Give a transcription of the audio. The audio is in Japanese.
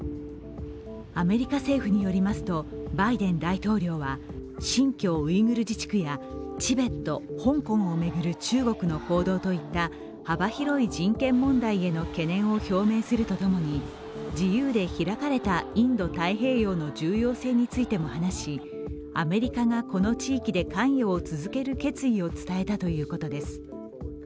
アメリカ政府によりますとバイデン大統領は新疆ウイグル自治区やチベット、香港を巡る中国の行動といった幅広い人権問題への懸念を表明するとともに自由で開かれたインド太平洋の重要性についても話しアメリカがこの地域で関与を続ける決意を伝えたということです。